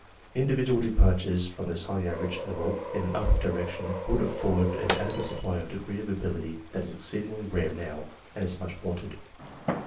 Individual departures from this high average level in an upward direction would afford an adequate supply of a degree of ability that is exceedingly rare now, and is much wanted.